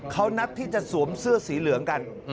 เขานัดที่จะสวมเสื้อสีเหลืองกัน